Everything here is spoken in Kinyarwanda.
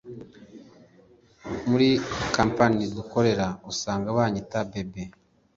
muri kampani dukorera usanga banyita bebe